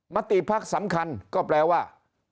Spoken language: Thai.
มติภักดิ์สำคัญก็แปลว่า